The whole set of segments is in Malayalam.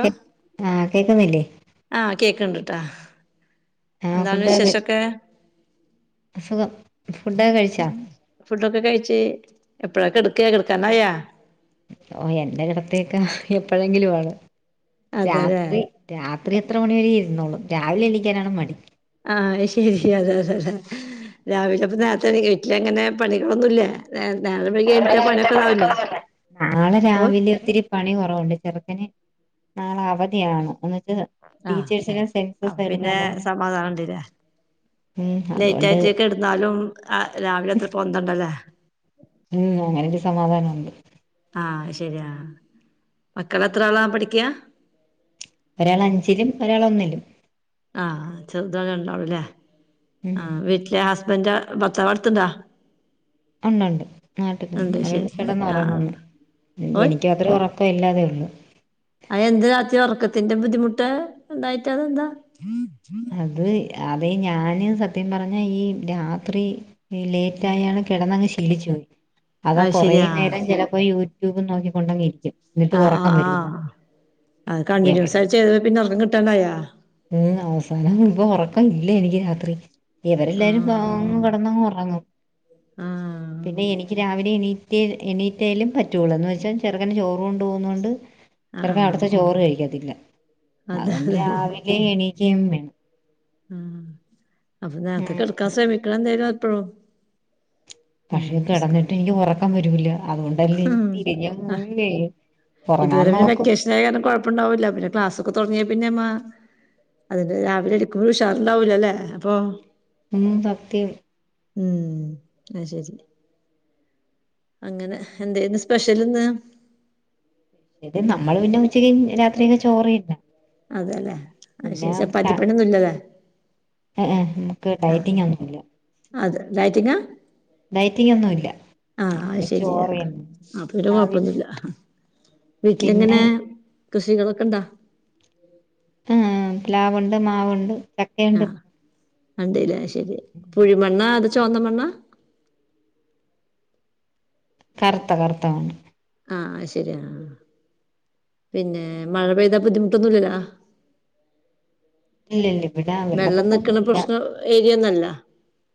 ക്കെ ആഹ്! കേക്കുന്നില്ലേ? ആ കേക്ക്ണ്ട്ട്ടാ ആഹ് ന്താണ് ഫുഡൊക്കെ വിശേഷൊക്കെ? സുഖം ഫുഡൊക്കെ കഴിച്ചാ [inaudible] ഫുഡൊക്കെ കഴിച്ച്, എപ്പഴാ കെട്ക്ക കെട്ക്കാനയാ? ഓ എന്റെ കിടത്തേക്ക എപ്പോഴെങ്കിലും വാണ്. അതെല്ലേ രാത്രി രാത്രി എത്ര മണി വരെ ഇരുന്നോളും. രാവിലെ എണിക്കാനാണ് മടി. ആഹ! ശരി! അതെ അതെ അതെ രാവിലെപ്പ നേരത്തെ എണീക്കങ്ങനെ പണികളൊന്നുംല്ല? ന്ത നേരം വെയ്ക്യാ [unintelligible] നാളെ ഓഹ് രാവിലെ ഒത്തിരി പണി കുറവുണ്ട്. ചെറുക്കന് നാളെ അവധിയാണ്. എന്ന്വച്ച് ആഹ് ടീച്ചേഴ്സെല്ലാം അപ്പൊ സെൻസസ് എടുക്കാം പിന്നെ പോകുന്നു. സമാധാനണ്ട്ല്ലേ ഉം അതൊണ്ട്. ന്നാലും അ രാവിലെ അത്ര പൊന്ന്തണ്ടല്ലേ? ഉം അങ്ങനെഞി സമാധാനുണ്ട്. ആഹ ശരിയാ മക്കളത്ര ആളാ പഠിക്ക? ഒരാള അഞ്ചിലും, ഒരാള്ഒന്നിലും. ആ ചെറുതാണ് രണ്ടാളുംല്ലേ? ഉം ആ വീട്ടിലെ ഹസ്ബൻ്റ് ഭർത്താവ് അടുത്തുണ്ടോ? ഉണ്ടണ്ട് നാട്ടിൽതന്ന് ഉണ്ട് അയാൾ ശരി കിടന്ന് ആഹ് ഉറങ്ങുന്നു ഓയ് എനിക്ക് ഒരു ഉറക്കം ഇല്ലാതെ ഉള്ളൂ. അ എന്ത് രാത്രി ഉറക്കത്തിന്റെ ബുദ്ധിമുട്ട് ഉണ്ടായിട്ട അതെന്താ? അത്, അതെ, ഞാന് സത്യം പറഞ്ഞ, ഈ രാത്രി- ഈ ലേറ്റായാണ് കിടന്നങ്ങ് ശീലിച്ചു പോയി. അതാ അത് കുറേ ശരിയാ നേരം ചിലപ്പോ യൂട്യൂബ് നോക്കിക്കൊണ്ട്ങ്ങ് ഇരിക്കും. എന്നിട്ട് ആഹ ആഹ ഉറക്കം വരൂല ആഹ അകണ്ടിന്യൂസ് എവരെ ആയിചെയ്ത് പിന്നെ ഒന്നും കിട്ടാണ്ടായാ. ഉം അവസാനവുമ്പം ഉറക്കം ഇല്ല എനിക്ക് രാത്രി. ഇവരെല്ലാരും ആഹ് പാവങ്ങും കിടന്നങ്ങും ഉറങ്ങും. ആഹ് പിന്നെ എനിക്ക് രാവിലെ എണീ - റ്റെ എണീറ്റാലും പറ്റുള്ളൂ. എന്ന് വെച്ചാൽ ചെറുക്കന് ചോറ് കൊണ്ട് പോകുന്നുകൊണ്ട്- ആഹ് ചെറുക്ക ആഹ് അവിടുത്തെ ചോറ് കഴിക്കത്തില്ല. അതെ അതൊണ്ട് അതെ അതെ രാവിലെ എണീക്കം വേണം ആ അപ്പൊ നേരത്തെ ഉം കെടുക്കാൻ ശ്രമിക്കണം ന്തായാലും എപ്പോഴും. പക്ഷെ കിടന്നിട്ട് എനിക്ക് ഉറക്കം വരൂില്ല. അങ്ങോണ്ടല്ലേ ഉം തിരിഞ്ഞം ആഹ് [unintelligible] ഇതുവരെ പിന്നെ വെക്കേഷന ആായ കാരണം കുഴപ്പംണ്ടാവില്ല. പിന്നേ ക്ലാസൊക്കെ തുടങ്ങിയ പിന്നെ മ്മ അതിന്റെ രാവിലെ എടുക്കുമ്പോൾ ഉഷാറുണ്ടാവുലല്ലേ അപ്പൊ? ഹും സത്യം ഉം ആഹ് ശരി. അങ്ങനെ എതെന്ന് സ്പെഷ്യല്ന്ന്. ഇത് നമ്മള് പിന്നെ ഉച്ചക്ക് രാത്രിയില് ചോറെയില്ല. അതല്ലേ അഹ്ശെരി ചപ്പാത്തി പണിന്നും ഇല്ലല്ലേ? ഹെ ഹെ നമുക്ക് ഡയറ്റിംഗ് ഒന്നുംല്ല അത് ഡെയ്റ്റിംങ്ങ ഡയറ്റിങ്ങോന്നുംല്ല അത് നമ്മെ ശരി ആഹ് ചോറനെ അപ്പൊ പിന്നെ രാവില് കൊഴപ്പൊന്നുല്ല വീട്ടിലിങ്ങനെ കൃഷികളൊക്ക ഇണ്ടാ. ആ പിലാവുണ്ട്, മാവുണ്ട്. ചക്കയുണ്ട് ആഹ കണ്ടില്ലെ അശരി പുഴിമണ്ണ അത് ചുവന്നമണ്ണ. കറുത്ത കറുത്താണ്. ആഹ ശരിയാ ആഹാ. പിന്നെ മഴ പെയ്താ ബുദ്ധിമുട്ടൊന്നും ല്ലല്ലോ ആഹ ഇല്ല ല്ല ഇവിട വെള്ള പ്പൊ വെള്ളം നിക്കണ ക്കൊന്നും ല്ല പ്രശ്നം ഏരിയൊന്നല്ല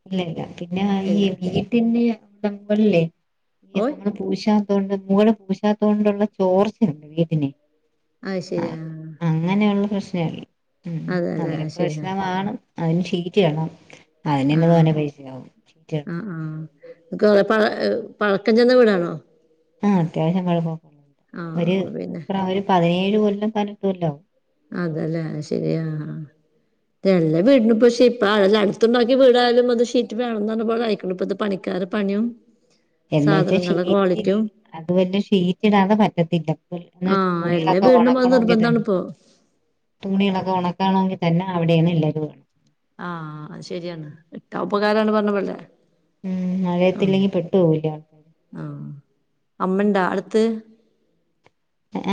ഇല്ല ല്ല പിന്നെന്നാ ഈ ഇല്ല വീട്ടിന്ന് നമ്മള്ല്ലേ ഓയ് നമ്മള് പൂശാത്തോണ്ട് മുകള് പൂശാത്തോണ്ട് ള്ള ചോർച്ചണ്ട് വീട്ന് അഹ് ശരി ആഹ് അങ്ങനെള്ള പ്രശ്നം ഉം അതെല്ലേ അതെ അത് ശരി പ്രശ്നമാണ് അയ്ന് ഷീറ്റ് ഇയണ്ണം അയ്ന് ന്നെ തോനെ പൈസാവും ഷീറ്റ് ആ ഇടണോടത്ത് ഇക്ക് പ പഴക്കം ചെന്ന വീടാണോ ആ അത്യാവശ്യം പഴക്കെക്കെള്ള വീടാ ആഹ് ഒര് അപ്പൊ പിന്നെ പ്ര ഒര് പതിനേഴ് കൊല്ലം പതിനെട്ട് കൊല്ലാവും അതല്ലേ അഹ് ശരി ആഹ് എല്ലാ വീട് നും പ്പൊ ഷിപ്പാ അല്ല അട്ത്ത്ണ്ടാക്കി വീടായാലും അത്ഷീറ്റ് വേണംന്ന്റഞ്ഞ പോലെയിക് ണ് പ്പത്തെ പണി കാരെ പണിം എന്ന് വച്ച് ഷീറ്റ് ല്ല അതും അല്ല ഷീറ്റ് ഇടാതെ പറ്റത്തില്ല എന്ന് വെച്ച് ആഹ് എല്ലാ തുണികളൊക്കെ വീടിനും അത് നിർബന്ധാണ് ഒണക്കണൊങ്കിതന്നെ ഇപ്പോ തുണിയൊളൊക്കെ ഒണക്കാണങ്കി തന്നെ അവിടെ ഞ്ഞ് ള്ളത് വേണ്ണം ആഹ് ശരിയാണ് ഇട്ടാ ഉപകാരാണ് പറഞ്ഞ പോലെ ഉം മഴയത്ത് ല്ലങ്കി പെട്ടൊ ഹും ല്ലാ ആ അമ്മണ്ടാ അട്ത്ത്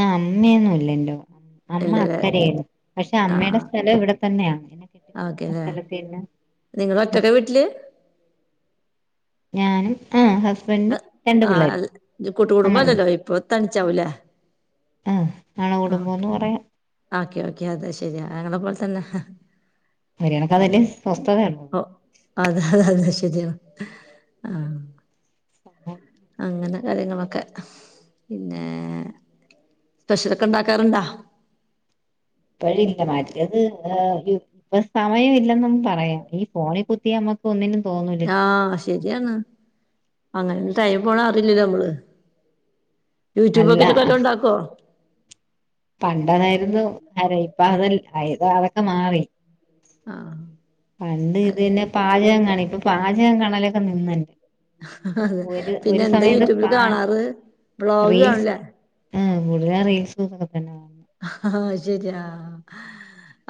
ആഹ് അമ്മയൊന്നും ല്ല ഇന്റെ [inaudible] അമ്മ ഇല്ലല്ലേ അക്കരെണ് പക്ഷെ അമ്മേടെ ആഹ് സ്ഥലം ഇവിടെത്തന്നെ ഓക്കെല്ലേ നിങ്ങള് ഒറ്റക്ക വീട്ടില് ഞാനും ആ ഹസ് ആ ഇജ്ജ് നമ്മൾ കൂട്ട്കുടുംബല്ലല്ലോ ഇപ്പൊ തനിച്ചാവൂലേ ആ അണു ആ ഓക്കെ കുടുംബംന്ന് പറയാ ഓക്കെ ഓക്കെ അതെ ശരി ഞങ്ങളെ പോലെ തന്നെ ഒരു ഉം കണക്കതല്ലേ സ്വസ്ഥതയുള്ളൂ ഓ അതെ അതെ ശരി യാണ് ആഹ് [unintelligible] അങ്ങനെ കാര്യങ്ങളൊക്കെ പിന്നെ സ്പെഷ്യലൊക്കെ ഉണ്ടാക്കാറുണ്ടോ ഇപ്പോയില്ല മറ്റത് ഇപ്പ സമയം ഇല്ലെന്ന് പറയാം ഈ ഫോണിൽ കുത്തി നമ്മക്ക് ഒന്നിനും തോന്നൂ ആഹ് ശരിയാണ് അങ്ങനെ ടൈം പോണ അറീല്ലല്ലോ നമ്മള് അല്ല യൂട്യൂബോക്കീട്ട് ക്കെവെല്ലം ണ്ടാക്കോ പണ്ടതായിരുന്നു അര ഇപ്പ അതല്ല അയ് അതൊക്കെ മാറി ആഹ് പണ്ട് ഇത് ന് പാചകം കാണും ഇപ്പൊ പാചകം കണലൊക്കെ നിന്ന് അതെ ഒര് ഒര പിന്നെ എന്താ സമയത്ത് യൂട്യൂബിൽ പാ കാണാറ് വ്ളോഗ് റീ സാ കാണില്ലേ ആ കൂടുതലാ റീൽസും ഒക്കെക്കെ തന്നെ അഹ് ശരിയാ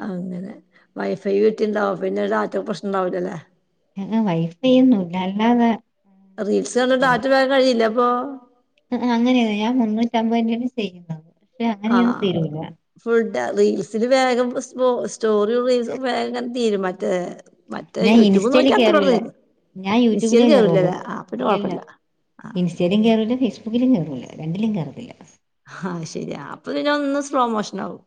അങ്ങനെ വൈഫൈ വീട്ടിണ്ടാവും അപ്പം ന്നെ ടാറ്റ പ്രശ്നംണ്ടാവൂല്ലല്ലേ [unintelligible] വൈഫൈയെന്നുംല്ല അല്ലാതെ പ കഴില്ലപ്പോ അ ആഅങ്ങനെയാണ് ഞാൻ മുന്നൂറ്റമ്പതിന്റെ ത്ചെയ്യ് താ ആഹ് ഫുൾ ഡെ റീൽസ്‌ ല്‌ വേഗം സ്റ്റോ റിം റീസും വേഗം തീരും മറ്റേ മറ്റേ ഞാൻ യൂട്യൂബ് ഇൻസ്റ്റേല് നോക്കിയാ അത്രേം കേറൂല്ല തീരും ഞാൻ യൂട്യൂബിലേ ഇൻസ്റ്റേല് കേറുള്ളു കേറൂലല്ലേ ആഹ് പിന്നെ ഇല്ലല്ല കൊഴപ്പല്ല ആഹ് ഇൻസ്റ്റേലും കേറൂല്ല ഫേസ്ബുക്കിലും കേറൂല്ല രണ്ടിലും കേറത്തില്ല ആഹ് ശരിയാ അപ്പം പിന്നെ ഒന്ന് സ്‌ലോ മോഷനാവും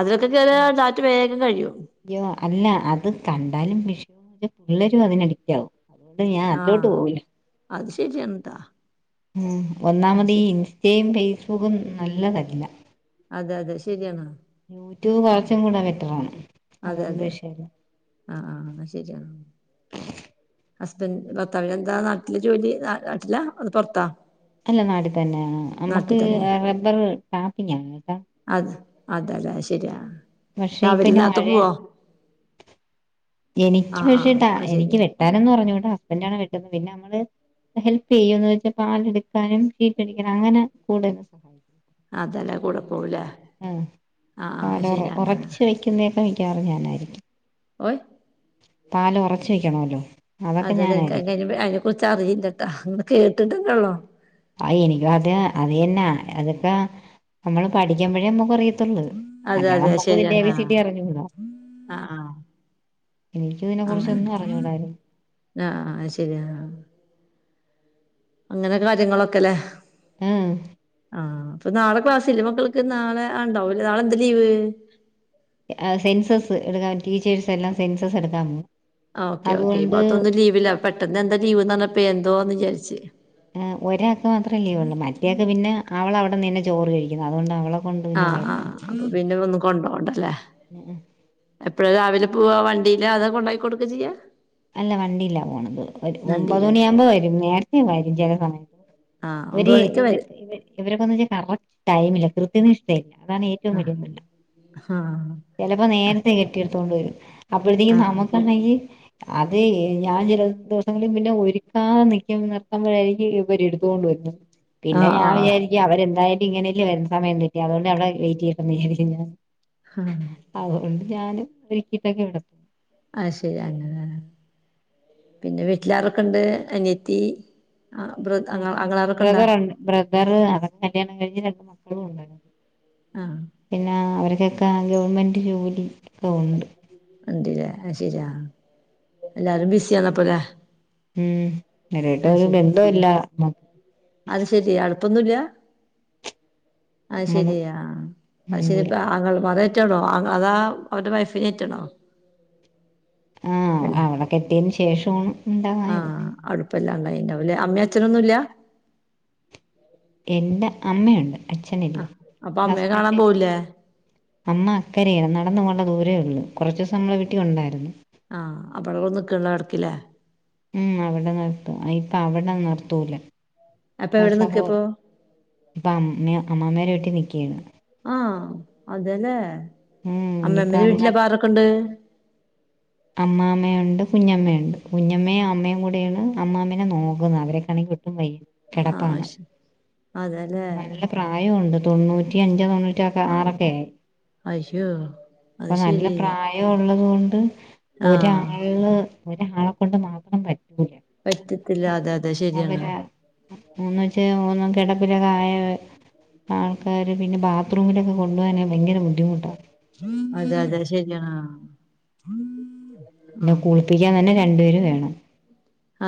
അതിലൊക്കെ കേറാ യാ ഡാറ്റ വേകം കഴിയും അയ്യോ അല്ല അത് കണ്ടാലും വി ഷയാ പിള്ളേരും അതിന് അഡിക്റ്റ് ആകും അതോണ്ട് ഞാഅതിലോട്ട് ആഹ് പോവില്ല അത് ശരിയാണ്‌ട്ടാ ഉം അത് ഒന്നാമതീ ശരി ഇൻ റ്റേ ഫേസ്ബുക്കും നല്ലതല്ല അതെ അതെ ശരിയാണ് യൂട്യൂബ് ഉം. കുറച്ചും കൂടെ ബെറ്ററാണ് അതെ അതൊണ്ട് അതെ വിഷയല്ല ആഹ് ആഹ് ആഹ് എന്നാ ശരിന്നാ ഹസ്ബൻഡ് ഭർത്താവിന് എന്താ നാട്ടില് ജോലി നാട്ടില അത് പുറത്താ അല്ല നാട്ടിൽ തന്നെയ നമ്മുക്ക് തന്നെ റബ്ബർ ടാപ്പിങ് ആണ് കേട്ടാ അത് അതതെ ശരിയാ പക്ഷേ ഇപ്പ രാവിലെ ഇന്റെ നേരത്തെ പോവോ മഴയാണ് എനിക്ക് ആഹ് ആഹ് പക്ഷേട്ടാ അത് എനിക്ക് ശരിയാ [unintelligible] വെട്ടാനൊന്നും അറിഞ്ഞൂടാ ഇവിടെ ഹസ്ബൻഡാണ്ണ് വെട്ടുന്നത് പിന്നെ നമ്മള് ഹെൽപ് ചെയ്യോന്ന് വെച്ചാൽ പാലെടുക്കാനും ഷീറ്റ് അടിക്കണം അങ്ങനെ കൂടുതലും അതല്ലേ കൂടെ പോവൂല്ലേ ആ പാൽ ഉറ ഉറച്ച് വെക്കുന്നേൊക്കെ മിക്കവാറും ഞാനായിരിക്കും ഓയ് പാൽ ഉറച്ച് വെക്കോണോല്ലോ അതെല്ല എനിക്ക് അതിനെ കുറിച്ച് അറിയില്ലട്ടാ അന്ന് കേട്ടിട്ടണ്ടള്ളോ ആ എനിക്ക് അത് അത് തന്നെ അതൊക്കെ നമ്മള് പഠിക്കുമ്പോഴേ നമുക്ക് അറിയൂ [unintelligible] അതെ അല്ലാതെ അതെ നമ്മുക്കും ഇതിന്റെ എ ശരിയാണ് ബി സി ആഹ് ഡി അറിഞ്ഞൂടാ ആഹ് ആഹ് എനിക്ക് ഇതിനെ [unintelligible] കുറിച്ചൊന്നും അറിഞ്ഞൂടായിരുന്നു ആഹ് ആഹ് ശെരിയെന്നാ അങ്ങനെ കാര്യങ്ങളൊക്കെ അല്ലേ ആഹ് ആഹ് അപ്പൊ നാളെ ക്ലാസ്സ ഇല്ല മക്കൾക്ക് നാളെ ഉണ്ടാവുംല്ല നാളെ എന്താ ലീവ് സെൻസസ് എടുക്കാൻ ടീച്ചേഴ്സ് എല്ലാം സെൻസസ് എടുക്കാൻ പോകും ഓക്കെ ഓക്കെ ഈ അതുകൊണ്ട് ഭാഗത്തു ഒക്കെ ലീവില്ല പെട്ടെന്ന് എന്താ ലീവ് എന്ന് പറഞ്ഞപ്പ എന്തുവാന്ന് വിചാരിച് ഒരാൾക്ക് മാത്രമല്ലേ ഉള്ളൂ മറ്റേൾക്ക് പിന്നെ അവളവിടെ നിന്നെ ചോറ് കഴിക്കുന്നു അതുകൊണ്ട് അവള ആഹ് ആഹ് പിന്നെ ഒന്നും കൊണ്ടപോണ്ടല്ല ഉം ഉം. എപ്പോഴ രാവിലെ പോവ്വാ വണ്ടീയിലാ അതോ കൊണ്ടയിക്കൊടുക്കുക ചെയ്യാ അല്ല വണ്ടിയിലാ പോണത് ഒരു ഒമ്പത് വണ്ടിയിലന്നെ മണിയാകുമ്പോ വരും നേരത്തെേ വരും ചില സമയത്ത് ആഹ് ഇവര് ഒമ്പത് മണിക്ക് ഇവര്വ വരും [unintelligible] ഇവരൊക്കെന്ന് വെച്ചാൽ കറക്റ്റ് ടൈമില്ല കൃത്യനിഷ്ഠയില്ല അതാണ് ഏറ്റവും വലിയ തൊല്ല ആഹ് ആഹ് ചിലപ്പോ നേരത്തെ കെട്ടിയെടുത്തോണ്ട് വരും അപ്പോഴത്തേക്കും ആഹ് നമുക്കുണ്ടെങ്കിൽ അതെ ഞാൻ ചില ദിവസങ്ങളിലും പിന്നെ ഒരുക്കാൻ നിൽക്കുമ്പോ നിർത്തുമ്പോഴായിനിക്ക് [unintelligible] [unintelligible] പിന്നെ ആഹ് ആഹ് ഞാൻ ആഹ് വിചാരിക്കും അവരെ എന്തായാലും ഇങ്ങനെയല്ലേരുന്നമയം കിട്ടി അതുകൊണ്ട് അവിടെ വെയിറ്റ് ചെയ്യട്ടന്ന് വിചാരിക്ക ഞാൻ ആഹ് അതുകൊണ്ട് ഞാനും ഒരുക്കിയിട്ടൊക്കെ ഇടത്തു ആഹ് ശരി അങ്ങനെ പിന്നെ വീട്ടിലാരൊക്കെ ഉണ്ട് അനിയത്തി ആ്ര ബെർത്ത്‌ ആങ്ങളരകൊണ്ട ബ്രദറു അതൊക്കെ കല്യാണം കഴിഞ്ഞ് രണ്ട് മക്കളും ഉണ്ടായിരുന്നു ആഹ് പിന്നെ അവർക്കൊക്കെ ഗവണ്മെന്റ് ജോലിക്കൊക്കെ പോന്നോണ്ട് ഉണ്ടല്ലേ ശരിയാ എല്ലാരും ബിസിയന്നപ്പോലെ ഉം നേരെറ്റൊരുബാന്ധോയില്ല മും അത് ശെരി അടുപ്പൊന്നുല്ല ആഹ് നമ്മള് ശരിയായ മിണ്ടൂല അത് [inaudible] റ്റണോ അതാ അവരുടെ വൈഫിനെ [inaudible] ആ അവളെ കെട്ടിയതിനുശേഷവാണ് ആഹ് അടുപ്പല്ലാണ്ടായിണ്ടാവലേ അമ്മയ അച്ഛനൊന്നുംല്ല എന്റെ അമ്മയുണ്ട് ആ അച്ഛനില്ല അപ്പൊ അമ്മയെ കാണാൻ ഹസ്ബൻഡിന് പോവൂലേ അമ്മ അക്കര ആണ് നടന്ന പോണ്ട ദൂരേ ഉള്ളൂ കുറച്ച് ദിവസം നമ്മളെ വീട്ടി ഉണ്ടായിരുന്ന് ആഹ് അപ്പൊ അവിടെ നിക്കുള്ളോ ഇടക്കില്ലേ ഉം അവിടെ നിർത്തു ഇപ്പ അവിടെ നിർത്തൂല അപ്പൊ ആ എവിടെ സഹോ നിക്കപ്പൊ അപ്പൊ അമ്മ അമ്മാമ്മേടെ വീട്ടി നിൽക്കയാണ് ആഹ് അതേല്ലേ ഉം ഇനിയിപ്പങ്ങട് അമ്മാമ്മയുണ്ട് കുഞ്ഞമ്മയുണ്ട് കുഞ്ഞമ്മയും അമ്മയും കൂടെയാണ് അമ്മാമ്മേനെ നോക്കുന്നത് അവരൊക്കെ ക്കാണെ ഒട്ടും വയ്യ ആ കെടപ്പാണ് ശ അതെല്ലേ നല്ല പ്രാ യോണ്ട് തൊണ്ണൂറ്റി അഞ്ചോ തൊണ്ണൂറ്റി ആ ആറോ ഒക്കെയായി അയ്യോ അപ്പൊ അത് നല്ല ശരി പ്രായം ഉള്ളത് കൊണ്ട് ആ ഇന്ന് ഒരാളെ കൊണ്ട് മാത്രം പറ്റൂല പറ്റത്തില്ല അതെ അതെ ശരിയാണ് അവര് എന്ന് വെച്ച കെടപ്പില് [unintelligible] ആൾക്കാര് പിന്നെ ബാത്റൂമിലൊക്കെ കൊണ്ടു പോവാൻ ഭയങ്കര ബുദ്ധിമുട്ടാ അതെ അതെ ശരിയാണ് ആഹ് പിന്നെ കുളിപ്പിക്കാൻ തന്നെ രണ്ടുപേര് വേണം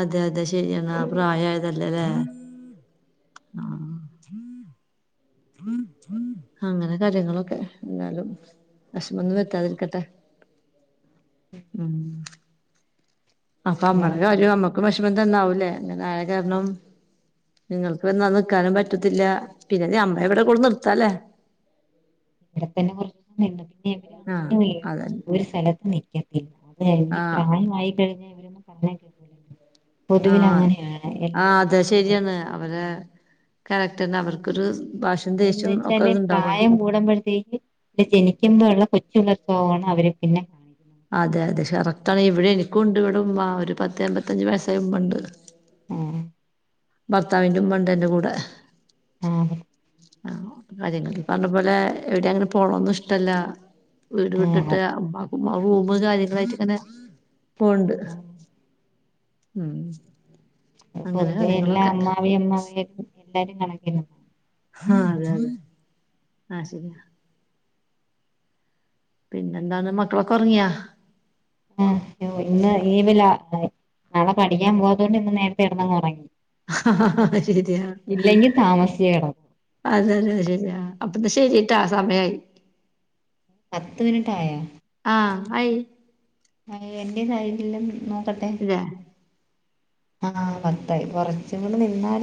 അതെ അതെ ശരിയ എന്നാ പ്രയായതല്ലലെ ഹ ഹ അങ്ങനെ കാര്യങ്ങളൊക്കെ എന്നാലും വെഷമൊന്നും വരുത്താതിരിക്കട്ടെ ഉം അപ്പൊ അമ്മടെ എല്ലാവർക്കും കാര്യം അമ്മക്കും വിഷമന്തന്നാവൂലേ അങ്ങനെ ആയെ കാരണം നിങ്ങൾക്ക് വന്ന് നിൽക്കാനും പറ്റത്തില്ല പിന്നെ നീ അമ്മയെ ഇവിടെ കൊട്ന്ന് നിർത്താലേ ഇവിടെ തന്നെ കൊറച്ച് [inaudible] ആഹ് എവടാണെങ്കിലും അതന്നെ ഒരു സ്ഥലത്ത് നി ക്കത്തില്ല അതെ ഈ ആഹ് പ്രായമായി കഴിഞ്ഞ ഇവരൊന്നും പറഞ്ഞാ കേക്കൂലല്ലോ പൊതുവിൽ ആഹ് അങ്ങനെയാണ് എൽ ആഹ് അതെ ശരിയാണ് അവരെ കാരക്ടറിന് അവർക്കൊരു ഭാ എന്ന് വെച്ചാല് പ്രായം കൂടുമ്പഴത്തേക്ക് പിന്നെ ജനിക്കുമ്പോ ഉള്ള കൊച്ച് [unintelligible] അവര് പിന്നെ കാണിക്കുന്നത് അതെ അതെ ഷറക്ടണ് ഇവിടെ എനിക്കും ഇണ്ട് ഇവിടെ ഉമ്മ ഒരു പത്തമ്പത്തഞ്ചു വയസ്സായ ഉമ്മയുണ്ട് ആഹ് ഭർത്താവിന്റെ ഉമ്മണ്ട് എന്റെ കൂടെ ആഹ് ആഹ് കാര്യങ്ങൾ ഈ പറഞ്ഞ പോലെ എവിടെ അങ്ങനെ പോണോന്നും ഇഷ്ടല്ല വീട് ആഹ് വിട്ടിട്ട് ഉമ്മാക്കും റൂമ് കാര്യങ്ങളായിട്ട് ഇങ്ങനെ പോവ്ണ്ട് ആഹ് ഉം അത് പൊതുവേ എല്ലാ അമ്മാവി അമ്മമാരും എല്ലാരും കണക്ക്‌ തന്നെയാണ് ആഹ് അതെയതെ ആഹ് ശരിയാ പിന്നെന്താന്ന് മക്കളൊക്കെ ഒറങ്ങിയോ? ഉം ഇന്ന് ഈവില നാളെ പഠിക്കാൻ പോവാത്തോണ്ട് ഇന്ന് നേരത്തെ കിടന്നങ്ങ് ഒറങ്ങി ശരിയാ താമസിച്ചേ കിടക്കു അതെയതെ അതെ ശരിയാ അപ്പൊ ന്ന ശെരിട്ടാ സമയായി പത്ത് മിനിട്ടായോ ആഹ് ആയി ഏഹ് എന്റെത് ആയിട്ട്ല്ല നോക്കട്ടെ ഇല്ലേ ആഹ് പത്തായി കൊറച്ചും കൂടെ നിന്നാല്